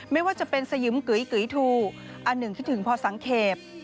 ไม่ว่าจะเป็นสยึมกุยก๋ยทูอันหนึ่งคิดถึงพอสังเกต